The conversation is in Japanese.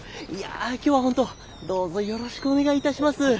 いや今日は本当どうぞよろしくお願いいたします。